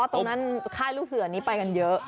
ตรงนั้นค่ายลูกเสือนี้ไปกันเยอะ